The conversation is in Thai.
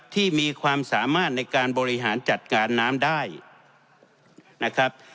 ที่มีความสามารถในการบริหารจัดการน้ำได้นะครับ